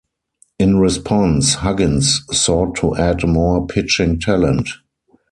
In response, Huggins sought to add more pitching talent.